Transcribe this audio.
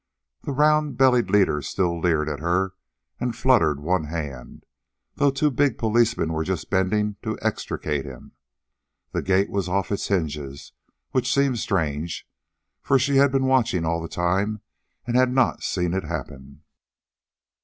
The round bellied leader still leered at her and fluttered one hand, though two big policemen were just bending to extricate him. The gate was off its hinges, which seemed strange, for she had been watching all the time and had not seen it happen.